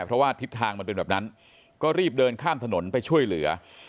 เพราะว่าทิศทางมันเป็นแบบนั้นก็รีบเดินข้ามถนนไปช่วยเหลือ